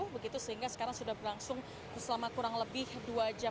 begitu sehingga sekarang sudah berlangsung selama kurang lebih dua jam